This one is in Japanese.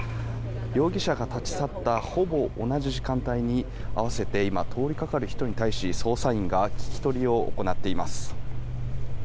容疑者が立ち去ったほぼ同じ時間帯に合わせていま通りかかる人に対し捜査員が聞き取りを行っています。